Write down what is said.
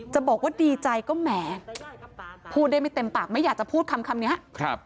จะบอกว่าดีใจก็แหมพูดได้ไม่เต็มปากไม่อยากจะพูดคำคำนี้ครับ